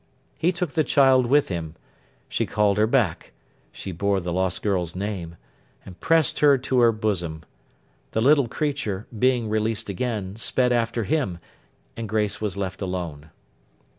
He took the child with him. She called her back—she bore the lost girl's name—and pressed her to her bosom. The little creature, being released again, sped after him, and Grace was left alone.